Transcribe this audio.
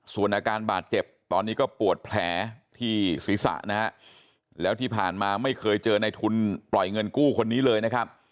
ส่วนอาการบาดเจ็บตอนนี้ก็ปวดแผลที่ศีรษะนะฮะแล้วที่ผ่านมาไม่เคยเจอในทุนปล่อยเงินกู้คนนี้เลยนะครับ